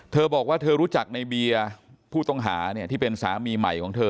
เธอบอกว่าเธอรู้จักในเบียร์ผู้ต้องหาเนี่ยที่เป็นสามีใหม่ของเธอ